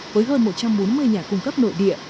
với hơn một trăm bốn mươi nhà cung cấp nội địa